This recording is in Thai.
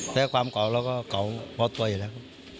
และความเก่าเราก็เก่าพอตัวอยู่แล้ว